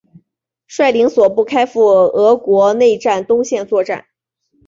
率领所部开赴俄国内战东线作战。